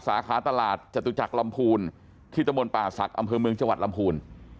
สาขาตลาดจตุจักรรมภูนย์ที่ตระบวนป่าศักดิ์อำเภอเมืองจังหวัดรำภูนย์